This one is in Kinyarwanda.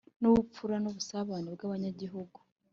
Nk’ubupfura n’ubusabane bw’abanyagihugu